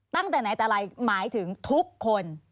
ตั้งแต่ไหนแต่ไรหมายถึงทุกคน